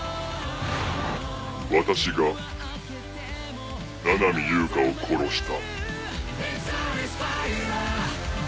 私が七海悠香を殺した。